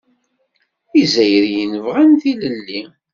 Izzayriyen bɣan tilelli.